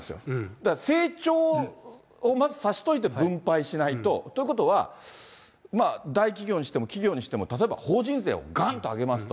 だから、成長をまずさせといて分配しないと、ということは、まあ大企業にしても企業にしても、例えば、法人税をがんと上げますと。